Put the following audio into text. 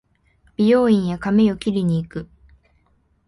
美容院へ髪を切りに行く